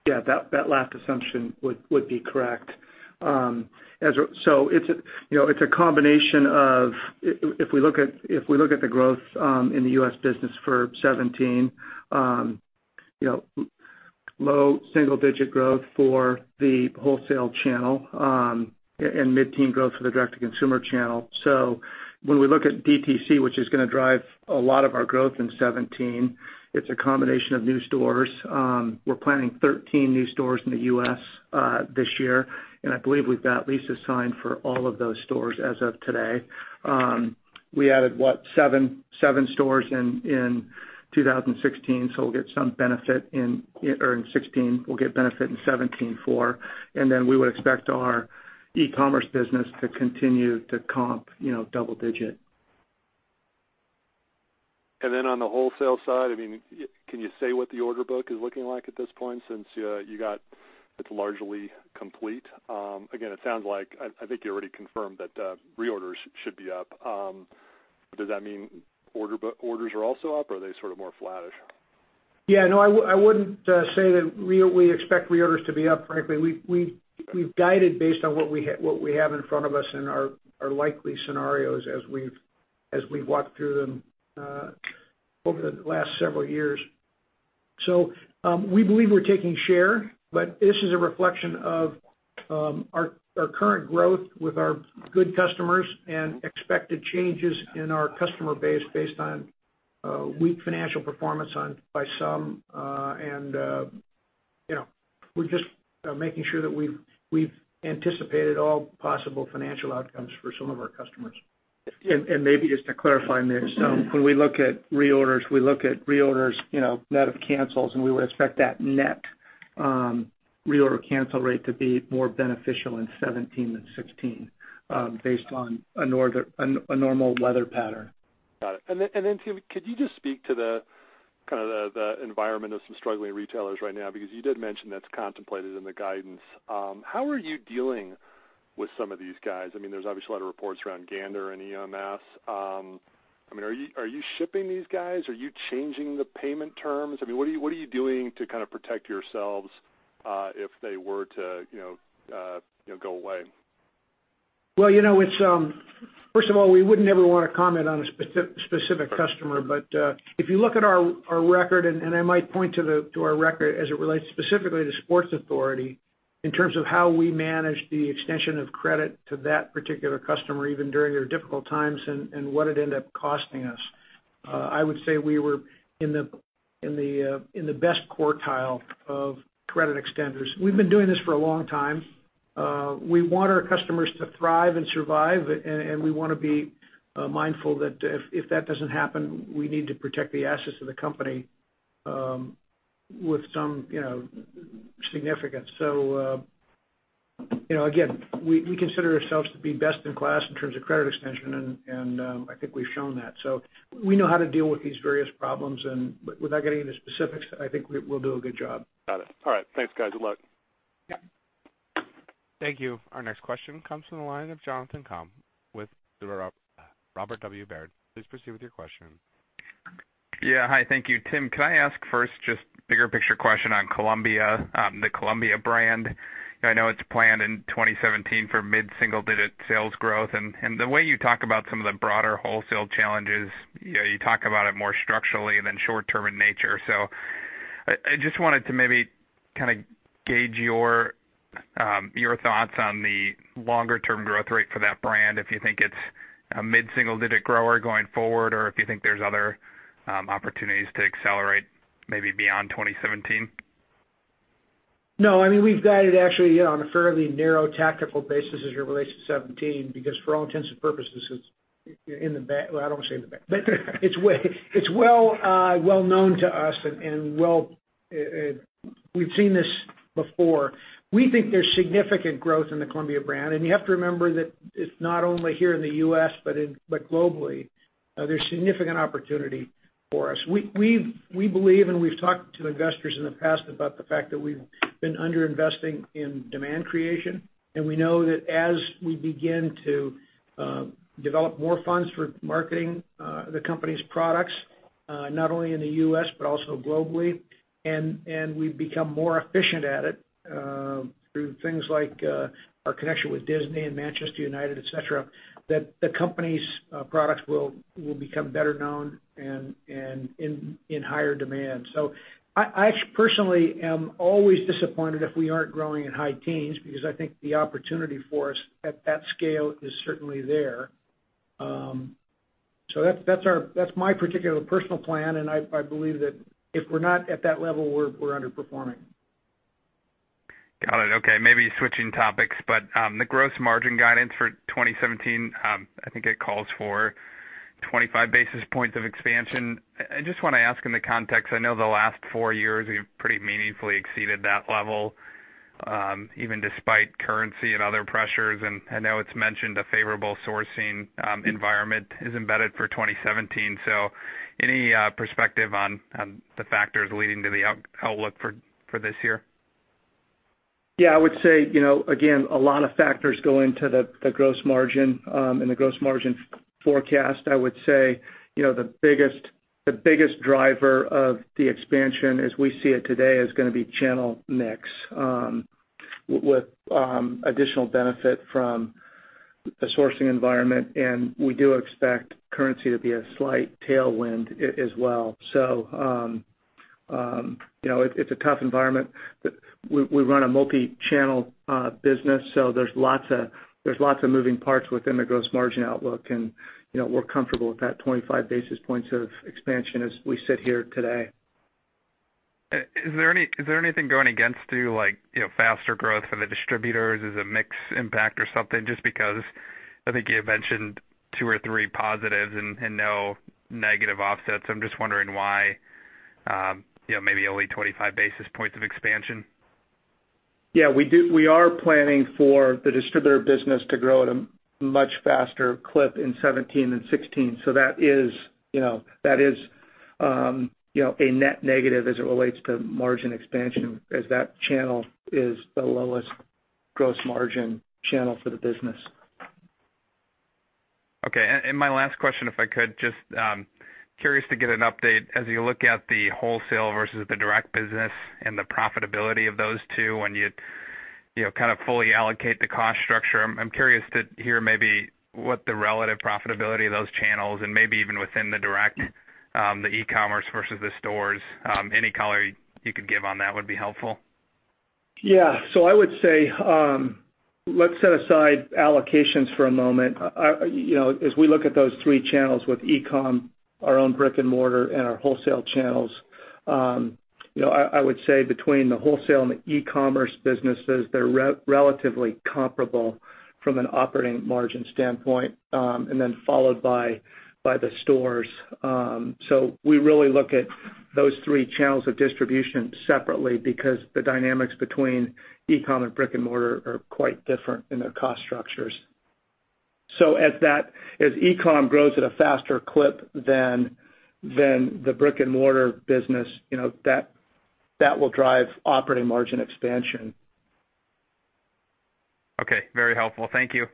Yeah, that last assumption would be correct. It's a combination of, if we look at the growth in the U.S. business for 2017, low double digit growth for the wholesale channel, and mid-teen growth for the direct-to-consumer channel. When we look at DTC, which is going to drive a lot of our growth in 2017, it's a combination of new stores. We're planning 13 new stores in the U.S. this year, and I believe we've got leases signed for all of those stores as of today. We added, what, seven stores in 2016. We'll get some benefit in 2016. We'll get benefit in 2017 for. We would expect our e-commerce business to continue to comp double digit. On the wholesale side, can you say what the order book is looking like at this point since you got it largely complete? Again, it sounds like, I think you already confirmed that reorders should be up. Does that mean orders are also up, or are they sort of more flattish? Yeah, no, I wouldn't say that we expect reorders to be up, frankly. We've guided based on what we have in front of us and our likely scenarios as we've walked through them over the last several years. We believe we're taking share, but this is a reflection of our current growth with our good customers and expected changes in our customer base based on weak financial performance by some. We're just making sure that we've anticipated all possible financial outcomes for some of our customers. Maybe just to clarify, Mitch. When we look at reorders, we look at reorders net of cancels, and we would expect that net reorder cancel rate to be more beneficial in 2017 than 2016, based on a normal weather pattern. Got it. Tim, could you just speak to the environment of some struggling retailers right now? Because you did mention that's contemplated in the guidance. How are you dealing with some of these guys? There's obviously a lot of reports around Gander and EMS. Are you shipping these guys? Are you changing the payment terms? What are you doing to kind of protect yourselves, if they were to go away? First of all, we wouldn't ever want to comment on a specific customer. If you look at our record, and I might point to our record as it relates specifically to Sports Authority, in terms of how we manage the extension of credit to that particular customer, even during their difficult times, and what it ended up costing us. I would say we were in the best quartile of credit extenders. We've been doing this for a long time. We want our customers to thrive and survive, and we want to be mindful that if that doesn't happen, we need to protect the assets of the company with some significance. Again, we consider ourselves to be best in class in terms of credit extension, and I think we've shown that. We know how to deal with these various problems, and without getting into specifics, I think we'll do a good job. Got it. All right. Thanks, guys. Good luck. Yeah. Thank you. Our next question comes from the line of Jonathan Komp with Robert W. Baird. Please proceed with your question. Yeah. Hi, thank you. Tim, can I ask first, just bigger picture question on Columbia, the Columbia brand. I know it's planned in 2017 for mid-single digit sales growth. The way you talk about some of the broader wholesale challenges, you talk about it more structurally and then short term in nature. I just wanted to maybe kind of gauge your thoughts on the longer-term growth rate for that brand, if you think it's a mid-single digit grower going forward, or if you think there's other opportunities to accelerate maybe beyond 2017. No, we've guided actually on a fairly narrow tactical basis as it relates to 2017, because for all intents and purposes, it's in the well, I don't want to say in the bag, but it's well known to us and we've seen this before. We think there's significant growth in the Columbia brand, and you have to remember that it's not only here in the U.S., but globally. There's significant opportunity for us. We believe, and we've talked to investors in the past about the fact that we've been under-investing in demand creation, and we know that as we begin to develop more funds for marketing the company's products, not only in the U.S., but also globally. We've become more efficient at it through things like our connection with Disney and Manchester United, et cetera, that the company's products will become better known and in higher demand. I personally am always disappointed if we aren't growing in high teens because I think the opportunity for us at that scale is certainly there. That's my particular personal plan, and I believe that if we're not at that level, we're underperforming. Got it. Okay. Maybe switching topics, the gross margin guidance for 2017, I think it calls for 25 basis points of expansion. I just want to ask in the context, I know the last four years, you've pretty meaningfully exceeded that level, even despite currency and other pressures, and I know it's mentioned a favorable sourcing environment is embedded for 2017. Any perspective on the factors leading to the outlook for this year? Yeah, I would say, again, a lot of factors go into the gross margin and the gross margin forecast. I would say the biggest driver of the expansion as we see it today is going to be channel mix with additional benefit from the sourcing environment, and we do expect currency to be a slight tailwind, as well. It's a tough environment. We run a multi-channel business, so there's lots of moving parts within the gross margin outlook and we're comfortable with that 25 basis points of expansion as we sit here today. Is there anything going against you, like faster growth for the distributors? Is it mix impact or something? Just because I think you had mentioned two or three positives and no negative offsets. I'm just wondering why maybe only 25 basis points of expansion. Yeah, we are planning for the distributor business to grow at a much faster clip in 2017 than 2016. That is a net negative as it relates to margin expansion as that channel is the lowest gross margin channel for the business. Okay. My last question, if I could, curious to get an update as you look at the wholesale versus the direct business and the profitability of those two when you kind of fully allocate the cost structure. I'm curious to hear maybe what the relative profitability of those channels and maybe even within the direct, the e-commerce versus the stores. Any color you could give on that would be helpful. Yeah. I would say, let's set aside allocations for a moment. As we look at those three channels with e-com, our own brick and mortar and our wholesale channels, I would say between the wholesale and the e-commerce businesses, they're relatively comparable from an operating margin standpoint, and then followed by the stores. We really look at those three channels of distribution separately because the dynamics between e-com and brick and mortar are quite different in their cost structures. As e-com grows at a faster clip than the brick and mortar business, that will drive operating margin expansion. Okay. Very helpful. Thank you.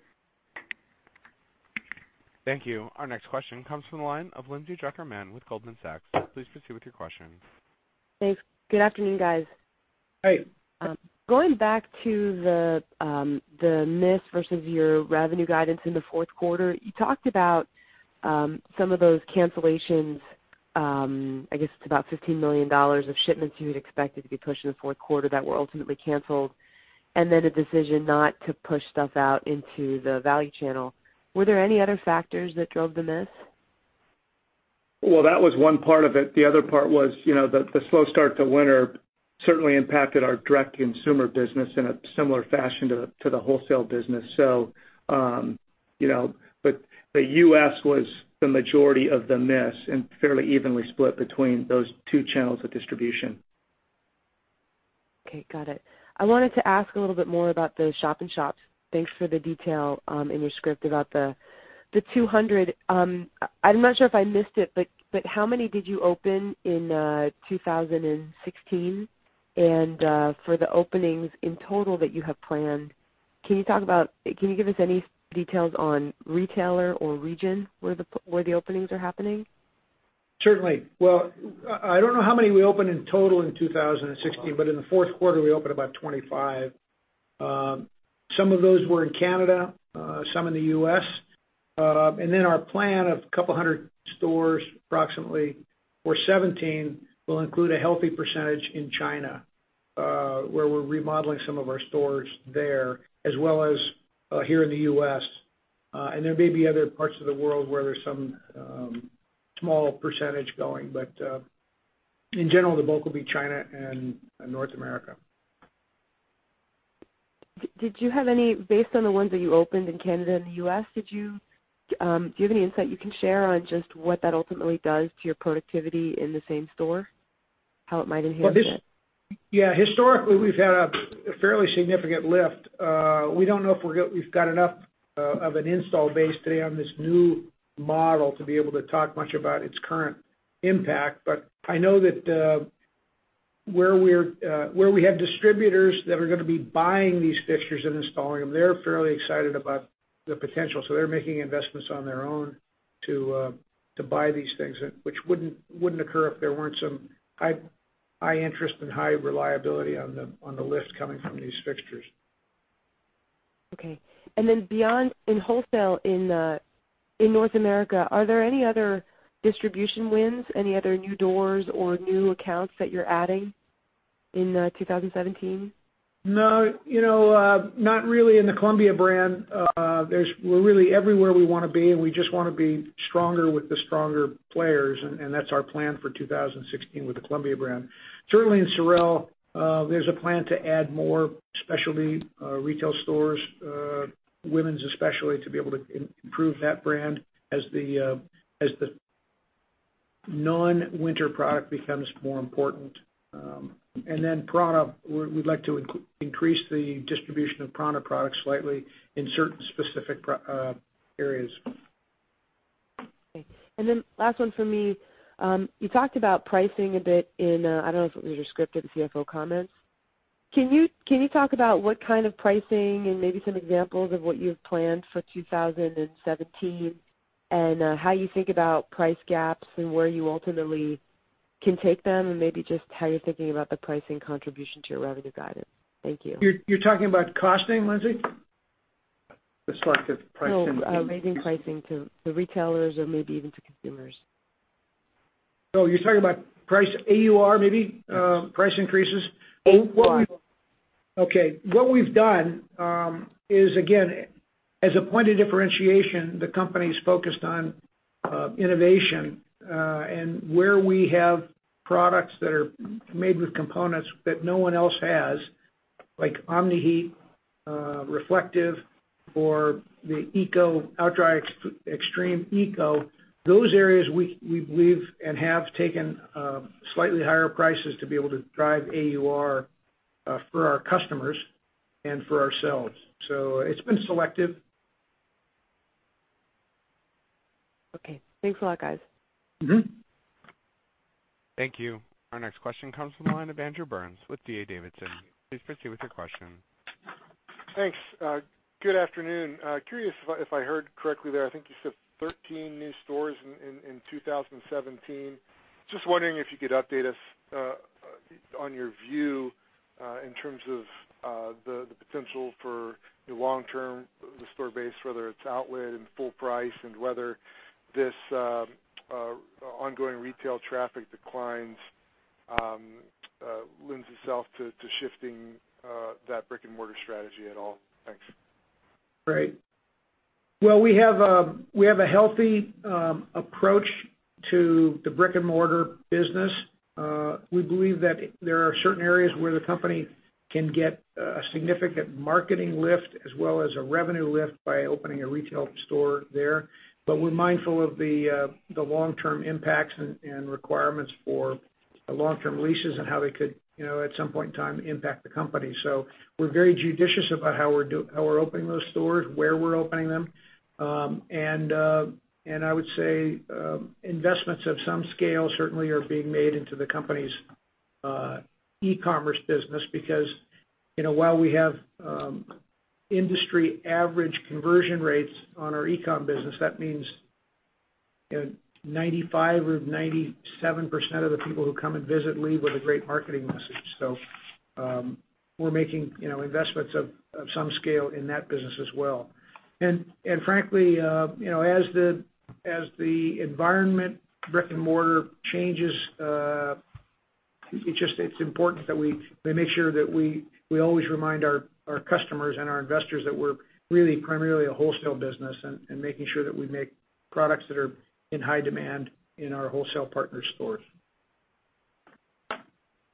Thank you. Our next question comes from the line of Lindsay Drucker Mann with Goldman Sachs. Please proceed with your question. Thanks. Good afternoon, guys. Hi. Going back to the miss versus your revenue guidance in the fourth quarter, you talked about some of those cancellations, I guess it's about $15 million of shipments you had expected to be pushed in the fourth quarter that were ultimately canceled, and then a decision not to push stuff out into the value channel. Were there any other factors that drove the miss? Well, that was one part of it. The other part was the slow start to winter certainly impacted our direct-to-consumer business in a similar fashion to the wholesale business. The U.S. was the majority of the miss and fairly evenly split between those two channels of distribution. Okay. Got it. I wanted to ask a little bit more about the shop in shops. Thanks for the detail in your script about the 200. I'm not sure if I missed it, how many did you open in 2016? For the openings in total that you have planned, can you give us any details on retailer or region where the openings are happening? Certainly. I don't know how many we opened in total in 2016, in the fourth quarter, we opened about 25. Some of those were in Canada, some in the U.S. Our plan of 200 stores, approximately, for 2017, will include a healthy percentage in China, where we're remodeling some of our stores there, as well as here in the U.S. There may be other parts of the world where there's some small percentage going, in general, the bulk will be China and North America. Based on the ones that you opened in Canada and the U.S., do you have any insight you can share on just what that ultimately does to your productivity in the same store? How it might enhance it? Yeah. Historically, we've had a fairly significant lift. We don't know if we've got enough of an install base today on this new model to be able to talk much about its current impact. I know that Where we have distributors that are going to be buying these fixtures and installing them, they're fairly excited about the potential. They're making investments on their own to buy these things, which wouldn't occur if there weren't some high interest and high reliability on the list coming from these fixtures. Okay. Then beyond in wholesale, in North America, are there any other distribution wins, any other new doors or new accounts that you're adding in 2017? No, not really in the Columbia brand. We're really everywhere we want to be, and we just want to be stronger with the stronger players, and that's our plan for 2016 with the Columbia brand. Certainly in SOREL, there's a plan to add more specialty retail stores, women's especially, to be able to improve that brand as the non-winter product becomes more important. Then prAna, we'd like to increase the distribution of prAna products slightly in certain specific areas. Okay. Then last one from me. You talked about pricing a bit in, I don't know if it was your script or the CFO comments. Can you talk about what kind of pricing and maybe some examples of what you have planned for 2017 and how you think about price gaps and where you ultimately can take them, and maybe just how you're thinking about the pricing contribution to your revenue guidance? Thank you. You're talking about costing, Lindsay? The selective pricing- No. Maybe pricing to the retailers or maybe even to consumers. Oh, you're talking about price AUR maybe, price increases? AUR. Okay. What we've done is, again, as a point of differentiation, the company's focused on innovation. Where we have products that are made with components that no one else has, like Omni-Heat Reflective, or the OutDry Extreme ECO, those areas we believe and have taken slightly higher prices to be able to drive AUR for our customers and for ourselves. It's been selective. Okay. Thanks a lot, guys. Thank you. Our next question comes from the line of Andrew Burns with D.A. Davidson. Please proceed with your question. Thanks. Good afternoon. Curious if I heard correctly there, I think you said 13 new stores in 2017. Just wondering if you could update us on your view, in terms of the potential for your long term, the store base, whether it's outlet and full price, and whether this ongoing retail traffic declines lends itself to shifting that brick and mortar strategy at all. Thanks. Right. Well, we have a healthy approach to the brick and mortar business. We believe that there are certain areas where the company can get a significant marketing lift as well as a revenue lift by opening a retail store there. We're mindful of the long-term impacts and requirements for long-term leases and how they could, at some point in time, impact the company. We're very judicious about how we're opening those stores, where we're opening them. I would say investments of some scale certainly are being made into the company's e-commerce business because, while we have industry average conversion rates on our e-com business, that means 95% or 97% of the people who come and visit leave with a great marketing message. We're making investments of some scale in that business as well. Frankly, as the environment brick and mortar changes, it's important that we make sure that we always remind our customers and our investors that we're really primarily a wholesale business and making sure that we make products that are in high demand in our wholesale partner stores.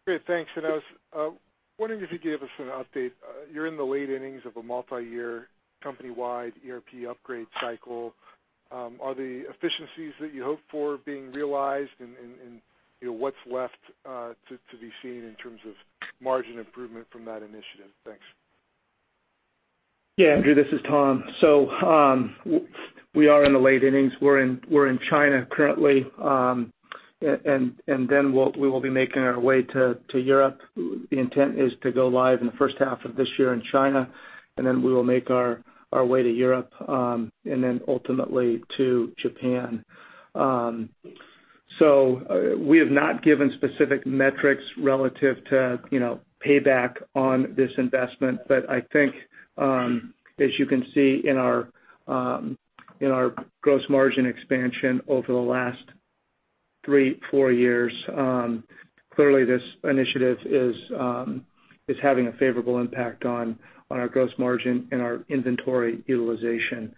Great. Thanks. I was wondering if you could give us an update. You're in the late innings of a multi-year company-wide ERP upgrade cycle. Are the efficiencies that you hope for being realized and what's left to be seen in terms of margin improvement from that initiative? Thanks. Andrew, this is Tom. We are in the late innings. We're in China currently. Then we will be making our way to Europe. The intent is to go live in the first half of this year in China, and then we will make our way to Europe, and then ultimately to Japan. We have not given specific metrics relative to payback on this investment. I think, as you can see in our gross margin expansion over the last three, four years, clearly this initiative is having a favorable impact on our gross margin and our inventory utilization.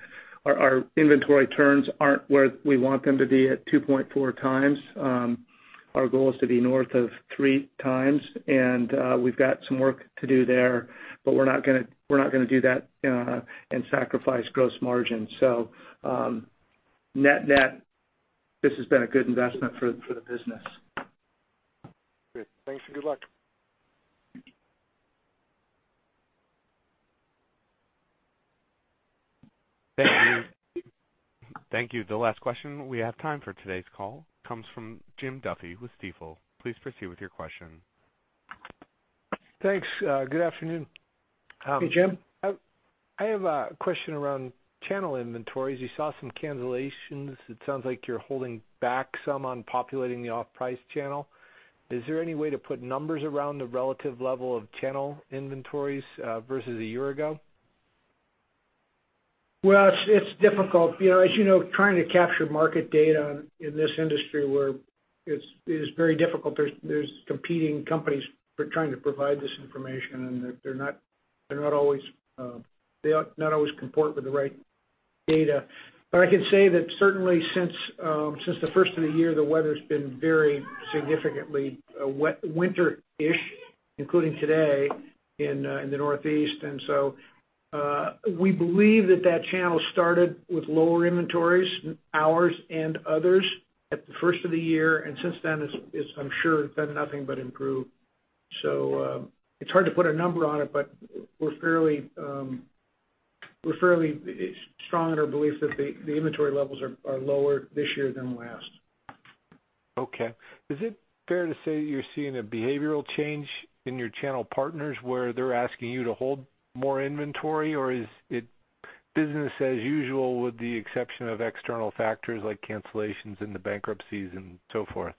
Our inventory turns aren't where we want them to be at 2.4 times. Our goal is to be north of three times, and we've got some work to do there, but we're not going to do that and sacrifice gross margin. Net-net, this has been a good investment for the business. Great. Thanks, good luck. Thank you. The last question we have time for today's call comes from Jim Duffy with Stifel. Please proceed with your question. Thanks. Good afternoon. Hey, Jim. I have a question around channel inventories. You saw some cancellations. It sounds like you're holding back some on populating the off-price channel. Is there any way to put numbers around the relative level of channel inventories versus a year ago? Well, it's difficult. As you know, trying to capture market data in this industry where it is very difficult. There's competing companies trying to provide this information, and they do not always comport with the right data. I can say that certainly since the first of the year, the weather's been very significantly winter-ish, including today in the Northeast. We believe that channel started with lower inventories, ours and others, at the first of the year. Since then, I'm sure it's done nothing but improve. It's hard to put a number on it, but we're fairly strong in our belief that the inventory levels are lower this year than last. Okay. Is it fair to say you're seeing a behavioral change in your channel partners where they're asking you to hold more inventory? Is it business as usual with the exception of external factors like cancellations and the bankruptcies and so forth?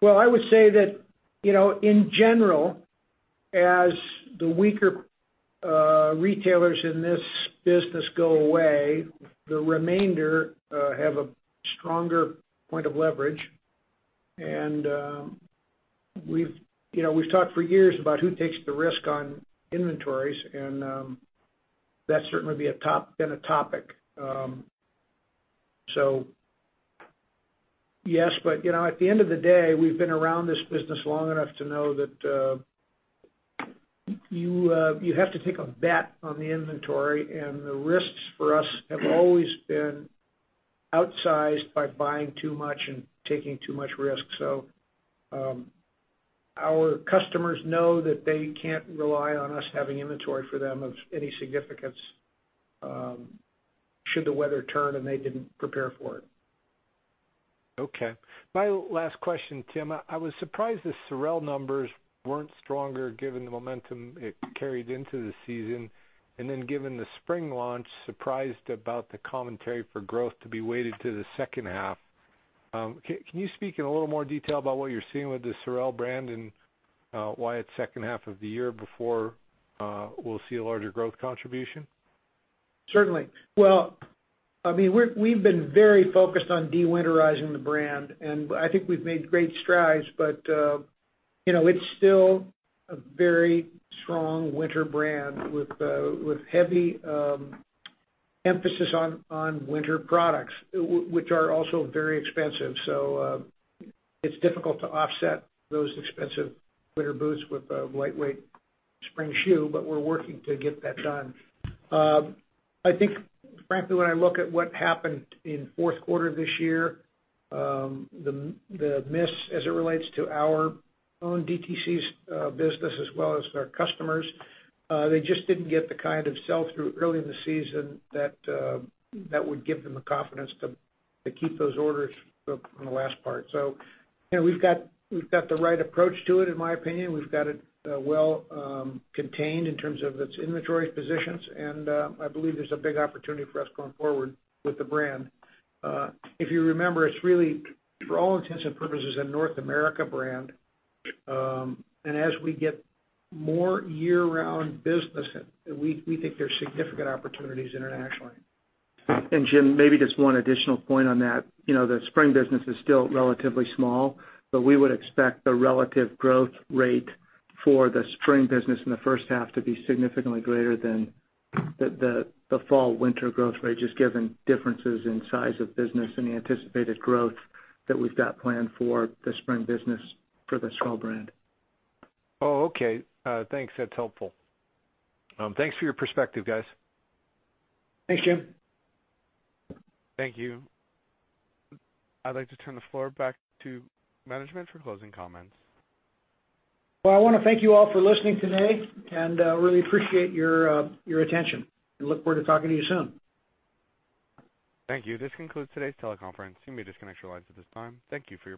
Well, I would say that, in general, as the weaker retailers in this business go away, the remainder have a stronger point of leverage. We've talked for years about who takes the risk on inventories, and that's certainly been a topic. Yes, but at the end of the day, we've been around this business long enough to know that you have to take a bet on the inventory, and the risks for us have always been outsized by buying too much and taking too much risk. Our customers know that they can't rely on us having inventory for them of any significance should the weather turn and they didn't prepare for it. My last question, Tim. I was surprised the SOREL numbers weren't stronger given the momentum it carried into the season, then given the spring launch, surprised about the commentary for growth to be weighted to the second half. Can you speak in a little more detail about what you're seeing with the SOREL brand and why it's second half of the year before we'll see a larger growth contribution? Certainly. Well, we've been very focused on de-winterizing the brand, and I think we've made great strides, but it's still a very strong winter brand with heavy emphasis on winter products, which are also very expensive. It's difficult to offset those expensive winter boots with a lightweight spring shoe, but we're working to get that done. I think, frankly, when I look at what happened in the fourth quarter of this year, the miss as it relates to our own DTC business as well as our customers, they just didn't get the kind of sell-through early in the season that would give them the confidence to keep those orders from the last part. We've got the right approach to it in my opinion. We've got it well contained in terms of its inventory positions, and I believe there's a big opportunity for us going forward with the brand. If you remember, it's really, for all intents and purposes, a North America brand. As we get more year-round business, we think there's significant opportunities internationally. Jim, maybe just one additional point on that. The spring business is still relatively small, but we would expect the relative growth rate for the spring business in the first half to be significantly greater than the fall/winter growth rate, just given differences in size of business and the anticipated growth that we've got planned for the spring business for the SOREL brand. Oh, okay. Thanks. That's helpful. Thanks for your perspective, guys. Thanks, Jim. Thank you. I'd like to turn the floor back to management for closing comments. Well, I want to thank you all for listening today and really appreciate your attention. We look forward to talking to you soon. Thank you. This concludes today's teleconference. You may disconnect your lines at this time. Thank you for your participation.